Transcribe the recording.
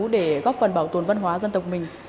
để góp phần bảo tồn văn hóa dân tộc mình